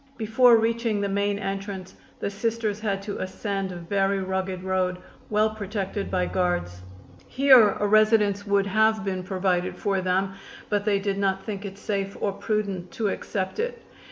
Before reaching the main entrance the Sisters had to ascend a very rugged road, well protected by guards. Here a residence would have been provided for them, but they did not think it safe or prudent to accept it.